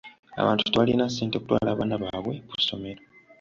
Abantu tebalina ssente kutwala baana baabwe ku ssomero.